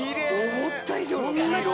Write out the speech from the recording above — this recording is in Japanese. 思った以上の黄色！